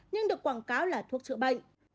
nhưng được quảng cáo là thuốc chữa bệnh